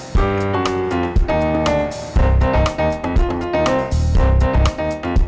tau ini pasti dia lewat jalan pintas